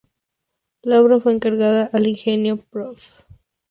La obra fue encargada al ingeniero Probst.